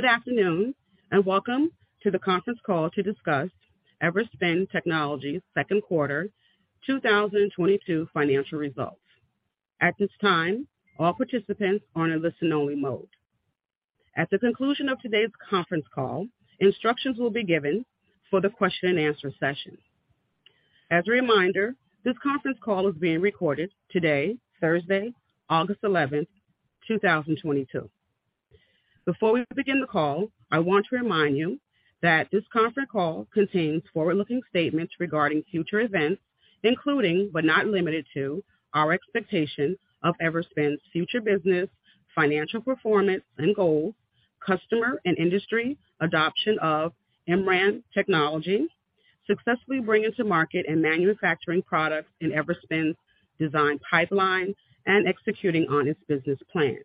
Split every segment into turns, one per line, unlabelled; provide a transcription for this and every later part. Good afternoon, and welcome to the conference call to discuss Everspin Technologies' second quarter 2022 financial results. At this time, all participants are in listen only mode. At the conclusion of today's conference call, instructions will be given for the question and answer session. As a reminder, this conference call is being recorded today, Thursday, August 11, 2022. Before we begin the call, I want to remind you that this conference call contains forward-looking statements regarding future events, including but not limited to, our expectation of Everspin's future business, financial performance and goals, customer and industry adoption of MRAM technology, successfully bringing to market and manufacturing products in Everspin's design pipeline, and executing on its business plans.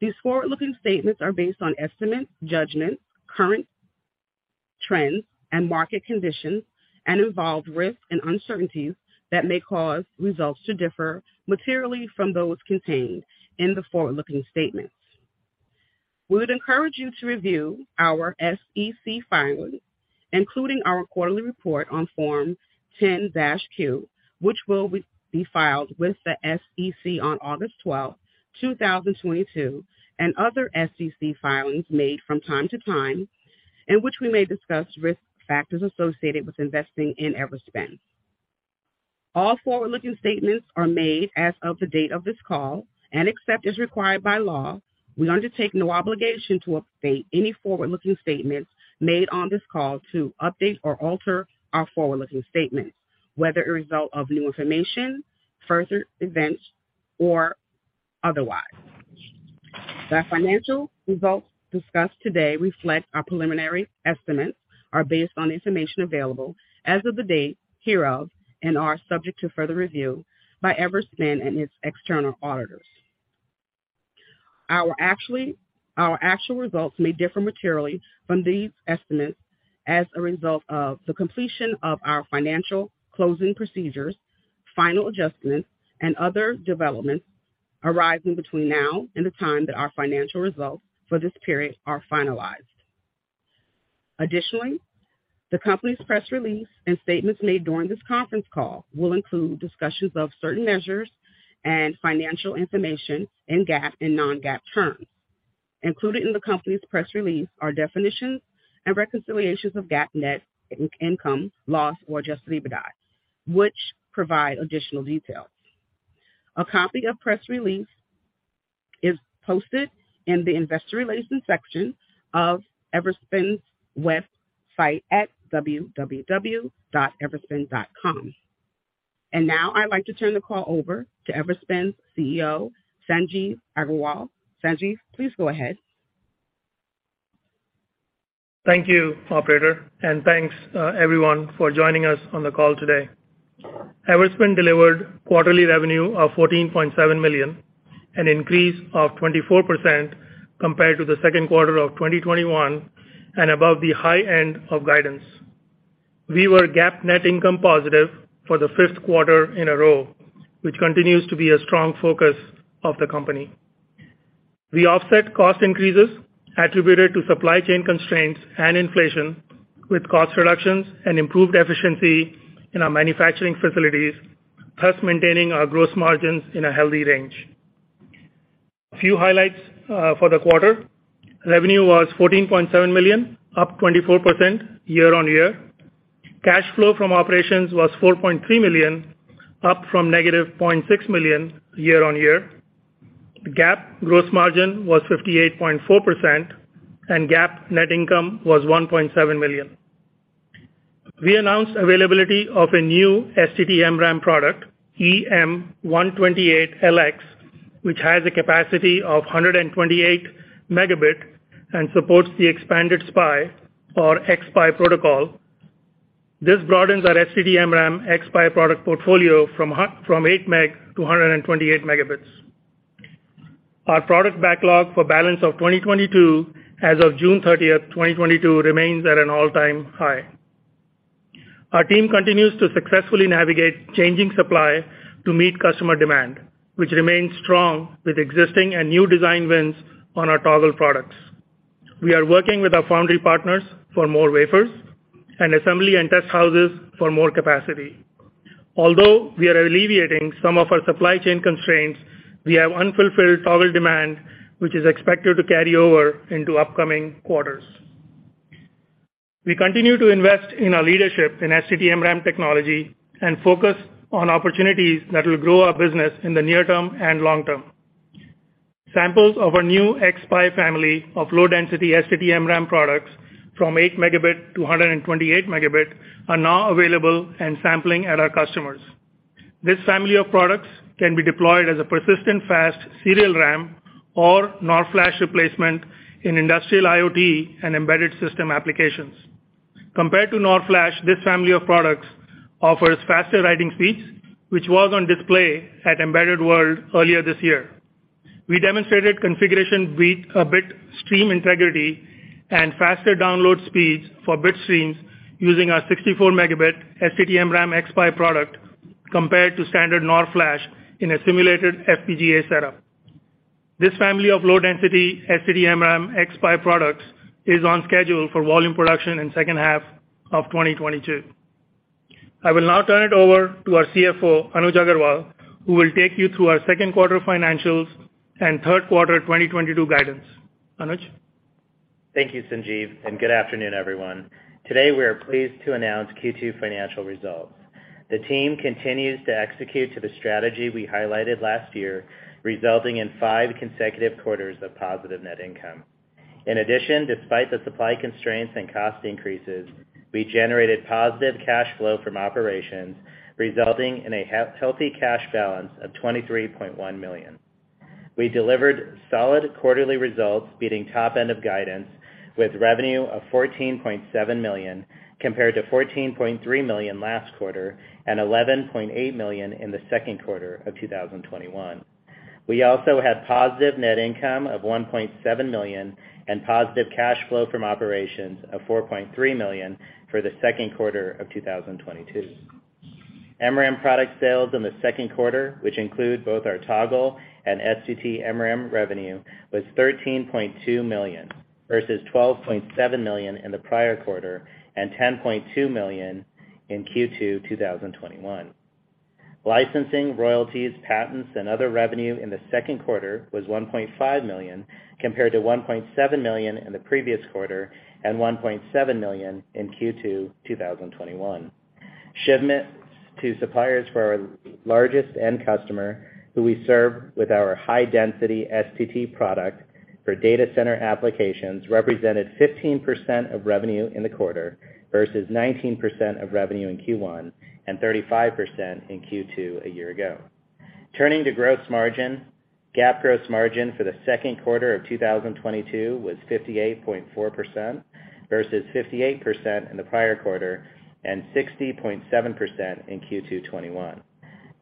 These forward-looking statements are based on estimates, judgments, current trends and market conditions, and involve risks and uncertainties that may cause results to differ materially from those contained in the forward-looking statements. We would encourage you to review our SEC filings, including our quarterly report on Form 10-Q, which will be filed with the SEC on August 12, 2022, and other SEC filings made from time to time, in which we may discuss risk factors associated with investing in Everspin. All forward-looking statements are made as of the date of this call, and except as required by law, we undertake no obligation to update any forward-looking statements made on this call or alter our forward-looking statements, whether a result of new information, further events, or otherwise. The financial results discussed today reflect our preliminary estimates, are based on information available as of the date hereof, and are subject to further review by Everspin and its external auditors. Our actual results may differ materially from these estimates as a result of the completion of our financial closing procedures, final adjustments and other developments arising between now and the time that our financial results for this period are finalized. Additionally, the company's press release and statements made during this conference call will include discussions of certain measures and financial information in GAAP and non-GAAP terms. Included in the company's press release are definitions and reconciliations of GAAP net income, loss or just EBITDA, which provide additional details. A copy of press release is posted in the investor relations section of Everspin's website at www.everspin.com. Now I'd like to turn the call over to Everspin's CEO, Sanjeev Aggarwal. Sanjeev, please go ahead.
Thank you, operator, and thanks, everyone for joining us on the call today. Everspin delivered quarterly revenue of $14.7 million, an increase of 24% compared to the second quarter of 2021 and above the high end of guidance. We were GAAP net income positive for the fifth quarter in a row, which continues to be a strong focus of the company. We offset cost increases attributed to supply chain constraints and inflation with cost reductions and improved efficiency in our manufacturing facilities, thus maintaining our gross margins in a healthy range. A few highlights for the quarter. Revenue was $14.7 million, up 24% year-on-year. Cash flow from operations was $4.3 million, up from -$0.6 million year-on-year. GAAP gross margin was 58.4%, and GAAP net income was $1.7 million. We announced availability of a new STT-MRAM product, EM128LX, which has a capacity of 128 megabits and supports the expanded SPI or xSPI protocol. This broadens our STT-MRAM xSPI product portfolio from 8 meg to 128 megabits. Our product backlog for balance of 2022 as of June 30, 2022, remains at an all-time high. Our team continues to successfully navigate changing supply to meet customer demand, which remains strong with existing and new design wins on our Toggle Products. We are working with our foundry partners for more wafers and assembly and test houses for more capacity. Although we are alleviating some of our supply chain constraints, we have unfulfilled Toggle demand which is expected to carry over into upcoming quarters. We continue to invest in our leadership in STT-MRAM technology and focus on opportunities that will grow our business in the near term and long term. Samples of our new xSPI family of low density STT-MRAM products from 8 megabit to 128 megabit are now available and sampling at our customers. This family of products can be deployed as a persistent fast serial RAM or NOR flash replacement in industrial IoT and embedded system applications. Compared to NOR flash, this family of products offers faster writing speeds, which was on display at Embedded World earlier this year. We demonstrated configuration bitstream integrity and faster download speeds for bit streams using our 64 megabit STT-MRAM xSPI product. Compared to standard NOR flash in a simulated FPGA setup. This family of low density STT-MRAM X5 products is on schedule for volume production in second half of 2022. I will now turn it over to our CFO, Anuj Agarwal, who will take you through our second quarter financials and third quarter 2022 guidance. Anuj.
Thank you, Sanjeev, and good afternoon, everyone. Today, we are pleased to announce Q2 financial results. The team continues to execute to the strategy we highlighted last year, resulting in five consecutive quarters of positive net income. In addition, despite the supply constraints and cost increases, we generated positive cash flow from operations, resulting in a healthy cash balance of $23.1 million. We delivered solid quarterly results, beating top end of guidance with revenue of $14.7 million compared to $14.3 million last quarter and $11.8 million in the second quarter of 2021. We also had positive net income of $1.7 million and positive cash flow from operations of $4.3 million for the second quarter of 2022. MRAM product sales in the second quarter, which include both our Toggle and STT-MRAM revenue, was $13.2 million versus $12.7 million in the prior quarter and $10.2 million in Q2 2021. Licensing, royalties, patents, and other revenue in the second quarter was $1.5 million, compared to $1.7 million in the previous quarter and $1.7 million in Q2 2021. Shipments to suppliers for our largest end customer, who we serve with our high density STT product for data center applications, represented 15% of revenue in the quarter versus 19% of revenue in Q1 and 35% in Q2 a year ago. Turning to gross margin, GAAP gross margin for the second quarter of 2022 was 58.4% versus 58% in the prior quarter and 60.7% in Q2 2021.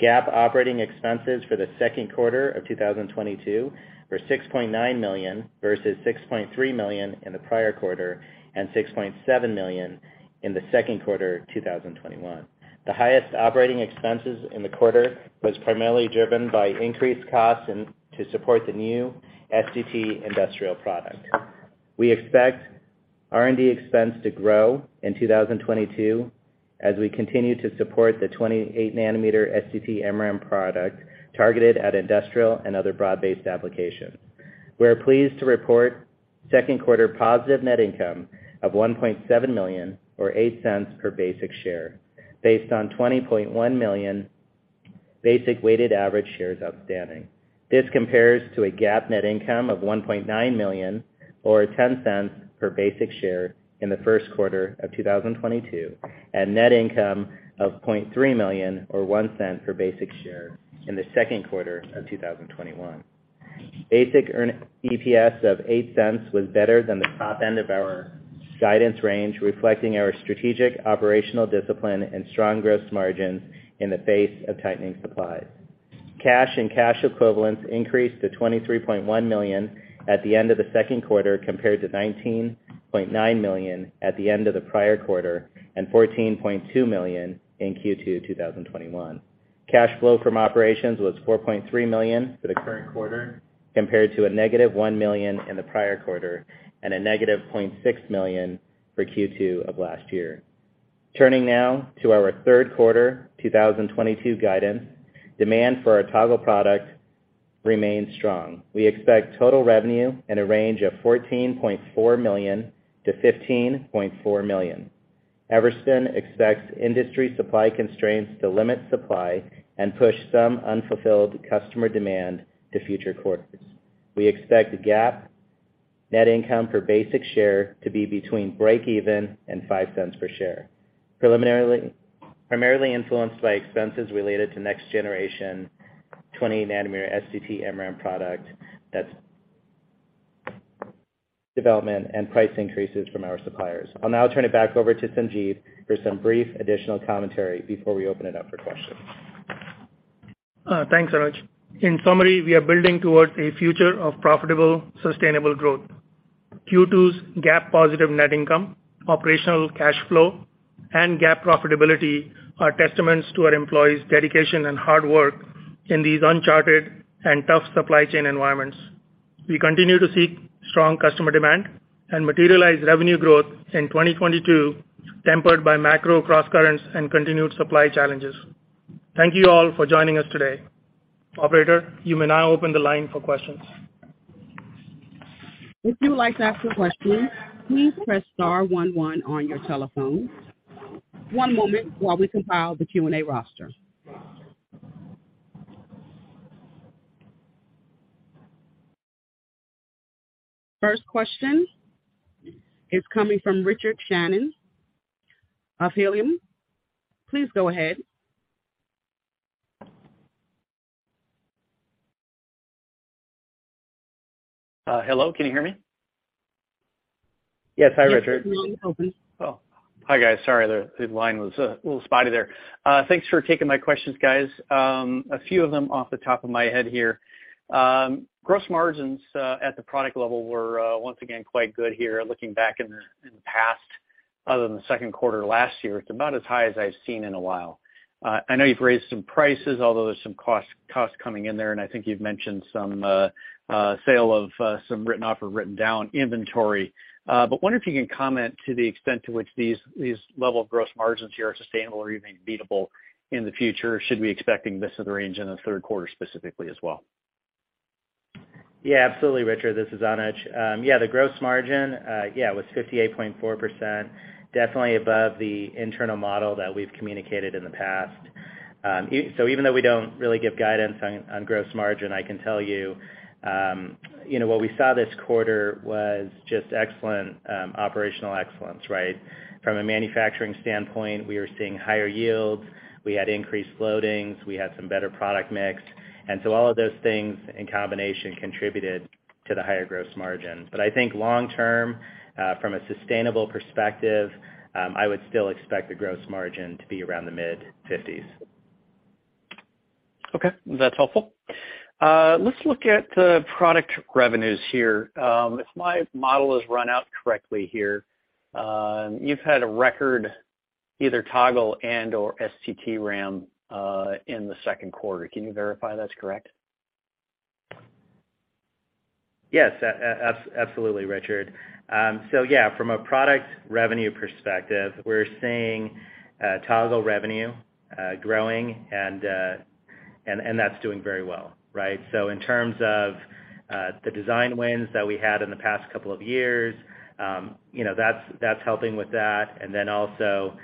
GAAP operating expenses for the second quarter of 2022 were $6.9 million versus $6.3 million in the prior quarter and $6.7 million in the second quarter 2021. The highest operating expenses in the quarter was primarily driven by increased costs to support the new STT industrial product. We expect R&D expense to grow in 2022 as we continue to support the 28 nanometer STT-MRAM product targeted at industrial and other broad-based applications. We are pleased to report second quarter positive net income of $1.7 million or $0.08 per basic share based on 20.1 million basic weighted average shares outstanding. This compares to a GAAP net income of $1.9 million or $0.10 per basic share in the first quarter of 2022 and net income of $0.3 million or $0.01 per basic share in the second quarter of 2021. Basic EPS of $0.08 was better than the top end of our guidance range, reflecting our strategic operational discipline and strong gross margins in the face of tightening supplies. Cash and cash equivalents increased to $23.1 million at the end of the second quarter, compared to $19.9 million at the end of the prior quarter and $14.2 million in Q2 2021. Cash flow from operations was $4.3 million for the current quarter, compared to negative $1 million in the prior quarter and negative $0.6 million for Q2 of last year. Turning now to our third quarter 2022 guidance, demand for our Toggle product remains strong. We expect total revenue in a range of $14.4 million-$15.4 million. Everspin expects industry supply constraints to limit supply and push some unfulfilled customer demand to future quarters. We expect GAAP net income per basic share to be between breakeven and $0.05 per share, primarily influenced by expenses related to next-generation 20-nanometer STT-MRAM product's development and price increases from our suppliers. I'll now turn it back over to Sanjeev for some brief additional commentary before we open it up for questions.
Thanks, Anuj. In summary, we are building towards a future of profitable, sustainable growth. Q2's GAAP positive net income, operational cash flow, and GAAP profitability are testaments to our employees' dedication and hard work in these uncharted and tough supply chain environments. We continue to seek strong customer demand and materialize revenue growth in 2022, tempered by macro crosscurrents and continued supply challenges. Thank you all for joining us today. Operator, you may now open the line for questions.
If you'd like to ask a question, please press star one one on your telephone. One moment while we compile the Q&A roster. First question is coming from Richard Shannon, Craig-Hallum. Please go ahead.
Hello, can you hear me?
Yes. Hi, Richard.
Richard, we can hear you now, please.
Oh, hi, guys. Sorry the line was a little spotty there. Thanks for taking my questions, guys. A few of them off the top of my head here. Gross margins at the product level were once again quite good here looking back in the past. Other than the second quarter last year, it's about as high as I've seen in a while. I know you've raised some prices, although there's some costs coming in there, and I think you've mentioned some sale of some written off or written down inventory. Wonder if you can comment to the extent to which this level of gross margins here are sustainable or even beatable in the future. Should we be expecting this sort of range in the third quarter specifically as well?
Yeah, absolutely, Richard. This is Anuj. Yeah, the gross margin was 58.4%, definitely above the internal model that we've communicated in the past. Even though we don't really give guidance on gross margin, I can tell you know, what we saw this quarter was just excellent operational excellence, right? From a manufacturing standpoint, we were seeing higher yields, we had increased loadings, we had some better product mix. All of those things in combination contributed to the higher gross margin. I think long term, from a sustainable perspective, I would still expect the gross margin to be around the mid-50s%.
Okay, that's helpful. Let's look at product revenues here. If my model is run out correctly here, you've had a record either Toggle and/or STT-MRAM in the second quarter. Can you verify that's correct?
Yes, absolutely, Richard. Yeah, from a product revenue perspective, we're seeing Toggle revenue growing and that's doing very well, right? In terms of the design wins that we had in the past couple of years, you know, that's helping with that. Also,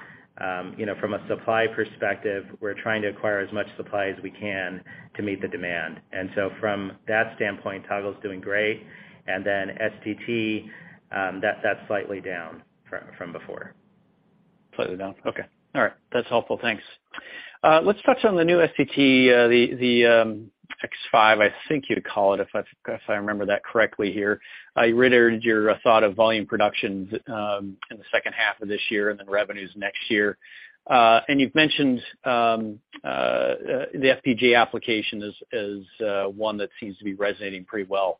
you know, from a supply perspective, we're trying to acquire as much supply as we can to meet the demand. From that standpoint, Toggle is doing great. STT, that's slightly down from before.
Slightly down. Okay. All right. That's helpful. Thanks. Let's touch on the new STT, the Xfive, I think you'd call it, if I remember that correctly here. I reiterated your thought of volume productions in the second half of this year and then revenues next year. You've mentioned the FPGA application as one that seems to be resonating pretty well.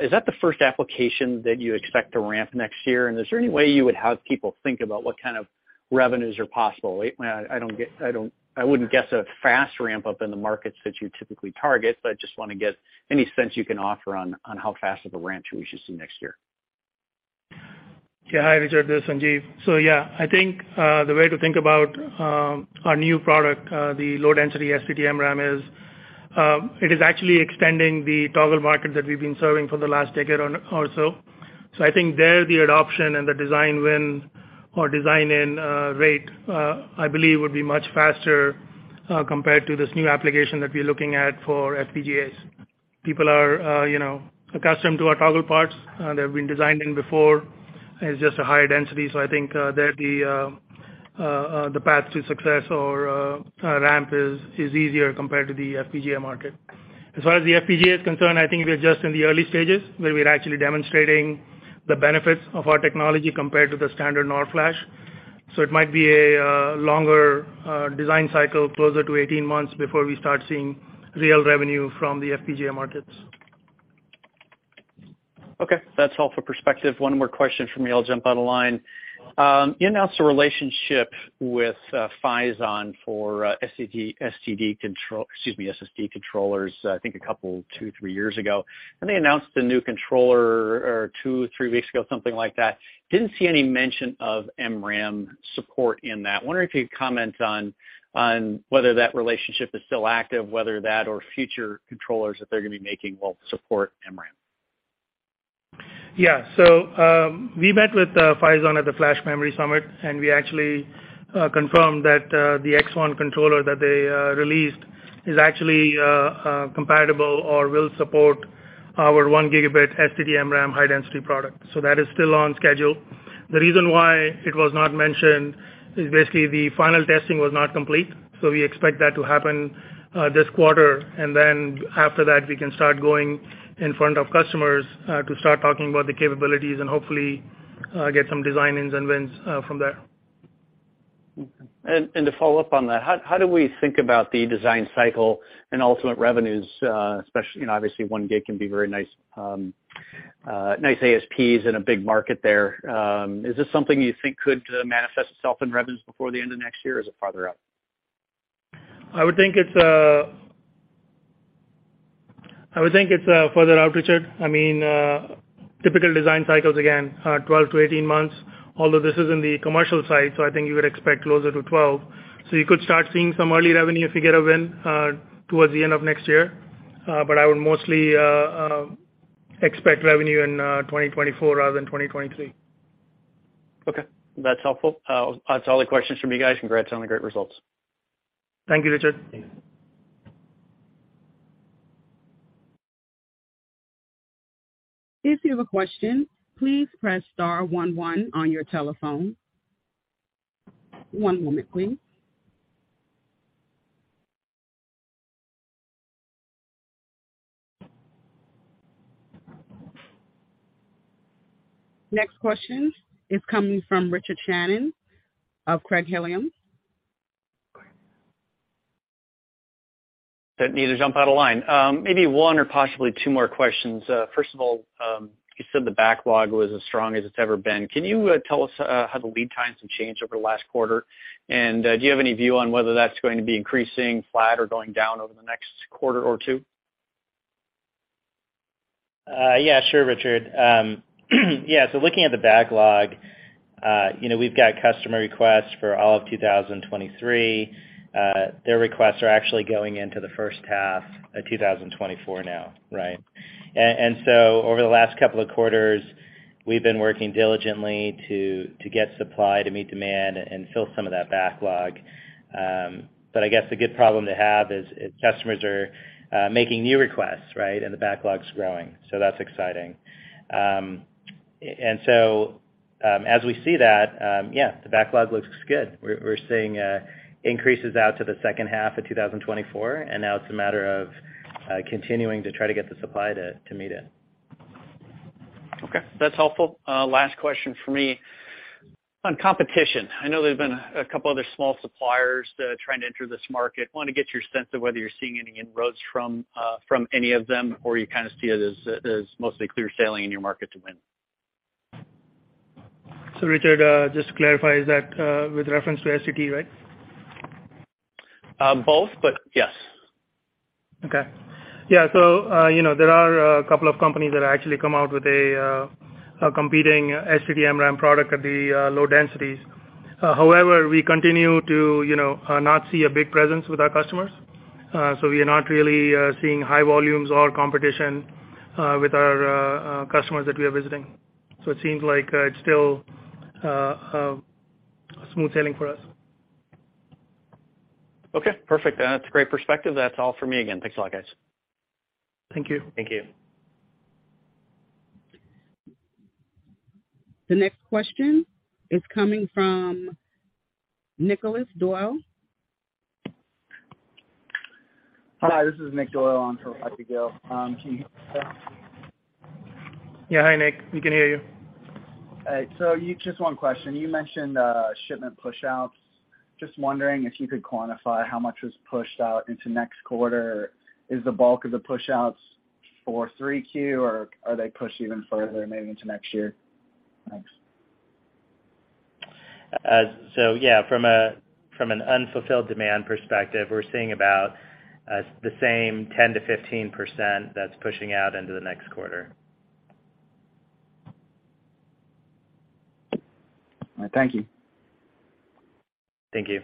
Is that the first application that you expect to ramp next year? Is there any way you would have people think about what kind of revenues are possible? I wouldn't guess a fast ramp-up in the markets that you typically target, but I just wanna get any sense you can offer on how fast of a ramp we should see next year.
Yeah. Hi, Richard. This is Sanjeev. Yeah, I think the way to think about our new product, the low-density STT-MRAM is, it is actually extending the Toggle market that we've been serving for the last decade or so. I think there, the adoption and the design win or design in rate I believe would be much faster compared to this new application that we're looking at for FPGAs. People are you know accustomed to our Toggle parts, they've been designed in before, and it's just a higher density. I think that the path to success or ramp is easier compared to the FPGA market. As far as the FPGA is concerned, I think we are just in the early stages, where we're actually demonstrating the benefits of our technology compared to the standard NOR flash. It might be a longer design cycle, closer to 18 months before we start seeing real revenue from the FPGA markets.
Okay. That's all for perspective. One more question from me, I'll jump on the line. You announced a relationship with Phison for SSD controllers, I think a couple, 2, 3 years ago. They announced a new controller or 2, 3 weeks ago, something like that. Didn't see any mention of MRAM support in that. Wondering if you could comment on whether that relationship is still active, whether that or future controllers that they're gonna be making will support MRAM.
Yeah. We met with Phison at the Flash Memory Summit, and we actually confirmed that the E18 controller that they released is actually compatible or will support our 1-gigabit STT-MRAM high-density product. That is still on schedule. The reason why it was not mentioned is basically the final testing was not complete, so we expect that to happen this quarter. Then after that, we can start going in front of customers to start talking about the capabilities and hopefully get some design-ins and wins from there.
Okay. To follow up on that, how do we think about the design cycle and ultimate revenues, especially, you know, obviously one gig can be very nice ASPs in a big market there. Is this something you think could manifest itself in revenues before the end of next year or is it farther out?
I would think it's farther out, Richard. I mean, typical design cycles, again, are 12-18 months, although this is in the commercial side, so I think you would expect closer to 12. You could start seeing some early revenue if you get a win, towards the end of next year. I would mostly expect revenue in 2024 rather than 2023.
Okay. That's helpful. That's all the questions from you guys. Congrats on the great results.
Thank you, Richard.
If you have a question, please press star one one on your telephone. One moment, please. Next question is coming from Richard Shannon of Craig-Hallum.
That needs to jump out of line. Maybe one or possibly two more questions. First of all, you said the backlog was as strong as it's ever been. Can you tell us how the lead times have changed over the last quarter? Do you have any view on whether that's going to be increasing, flat, or going down over the next quarter or two?
Yeah, sure, Richard. Yeah, so looking at the backlog, you know, we've got customer requests for all of 2023. Their requests are actually going into the first half of 2024 now, right? Over the last couple of quarters, we've been working diligently to get supply to meet demand and fill some of that backlog. But I guess the good problem to have is customers are making new requests, right? The backlog's growing, so that's exciting. As we see that, yeah, the backlog looks good. We're seeing increases out to the second half of 2024, and now it's a matter of continuing to try to get the supply to meet it.
Okay, that's helpful. Last question for me. On competition, I know there's been a couple other small suppliers trying to enter this market. Wanna get your sense of whether you're seeing any inroads from any of them or you kinda see it as mostly clear sailing in your market to win.
Richard, just to clarify, is that with reference to STT, right?
both, but yes.
Okay. Yeah, you know, there are a couple of companies that actually come out with a competing STT-MRAM product at the low densities. However, we continue to, you know, not see a big presence with our customers. We are not really seeing high volumes or competition with our customer that we are visiting. It seems like it's still smooth sailing for us.
Okay, perfect. That's a great perspective. That's all for me again. Thanks a lot, guys.
Thank you.
Thank you.
The next question is coming from Nicholas Doyle.
Hi, this is Nick Doyle on for Anuj. Can you hear us?
Yeah. Hi, Nick. We can hear you.
All right. You, just one question. You mentioned, shipment pushouts. Just wondering if you could quantify how much was pushed out into next quarter. Is the bulk of the pushouts for 3Q or are they pushed even further, maybe into next year? Thanks.
Yeah, from an unfulfilled demand perspective, we're seeing about the same 10%-15% that's pushing out into the next quarter.
All right. Thank you.
Thank you.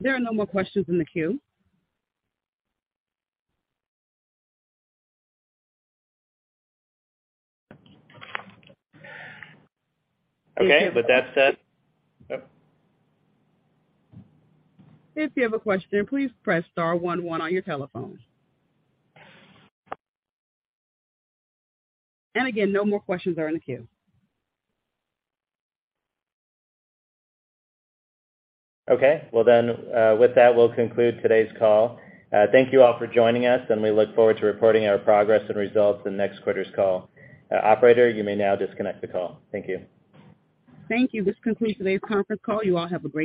There are no more questions in the queue.
Okay. With that said.
If you have a question, please press star one one on your telephone. Again, no more questions are in the queue.
Okay. Well then, with that, we'll conclude today's call. Thank you all for joining us, and we look forward to reporting our progress and results in next quarter's call. Operator, you may now disconnect the call. Thank you.
Thank you. This concludes today's conference call. You all have a great day.